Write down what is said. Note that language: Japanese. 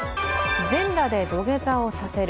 全裸で土下座をさせる。